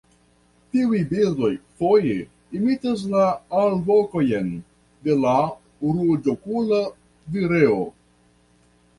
Tiuj birdoj foje imitas la alvokojn de la Ruĝokula vireo.